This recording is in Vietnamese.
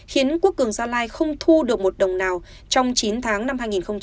khiến quốc cường gia lai không thu được một đồng nào trong chín tháng năm hai nghìn hai mươi